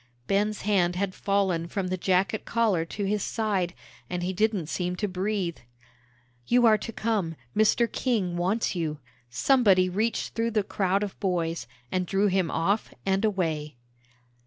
Ben's hand had fallen from the jacket collar to his side, and he didn't seem to breathe. "You are to come. Mr. King wants you." Somebody reached through the crowd of boys, and drew him off and away.